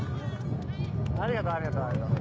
ありがとうありがとう。